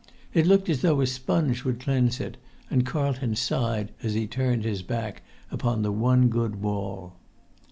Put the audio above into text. It looked as though a sponge would cleanse it, and Carlton sighed as he turned his back upon the one good wall.